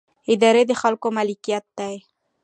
ادارې د خلکو ملکیت دي